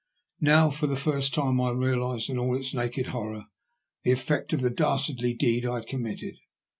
Now, for the first time, I realized in all its naked horror the effect of the dastardly deed I had committed.